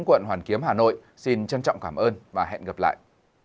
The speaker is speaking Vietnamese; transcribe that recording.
quận hoàn kiếm hà nội xin trân trọng cảm ơn và hẹn gặp lại